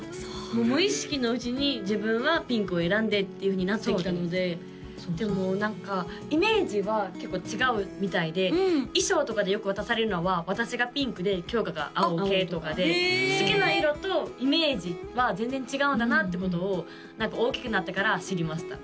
もう無意識のうちに自分はピンクを選んでっていうふうになってきたのででも何かイメージは結構違うみたいで衣装とかでよく渡されるのは私がピンクできょうかが青系とかで好きな色とイメージは全然違うんだなってことを大きくなってから知りました